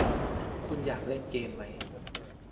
คุณอยากเล่นเกมไหม